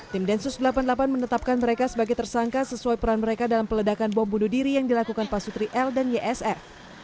tim densus delapan puluh delapan menetapkan mereka sebagai tersangka sesuai peran mereka dalam peledakan bom bunuh diri yang dilakukan pak sutri l dan ysf